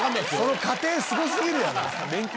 その過程すごすぎるやろ！